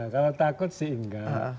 kalau takut sih enggak